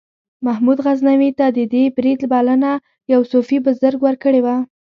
محمود غزنوي ته د دې برید بلنه یو صوفي بزرګ ورکړې وه.